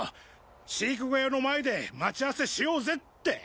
飼育小屋の前で待ち合わせしようぜって！